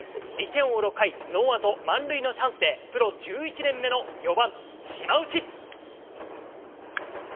１点を追う６回、ノーアウト満塁のチャンスで、プロ１１年目の４番島内。